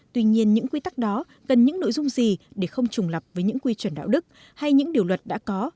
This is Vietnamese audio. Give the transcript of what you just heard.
tuy nhiên những quy tắc đó cần những nội dung gì để không trùng lập với những quy chuẩn đạo đức hay những điều luật đã có